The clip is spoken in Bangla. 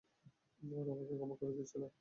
ওরা আমাকে ক্ষমা করে দিয়েছিল।